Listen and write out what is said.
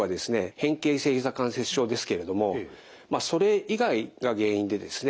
変形性ひざ関節症ですけれどもそれ以外が原因でですね